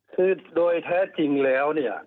คือโดยแท้จริงแล้วเนี่ย